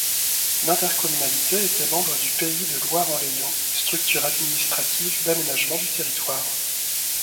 L'intercommunalité était membre du Pays de Loire en Layon, structure administrative d'aménagement du territoire.